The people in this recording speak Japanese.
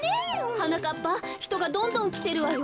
はなかっぱひとがどんどんきてるわよ。